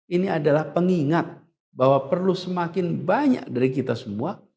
ini adalah pengingat bahwa perlu semakin banyak dari kita semua